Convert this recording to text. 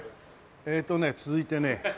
えーとね続いてね。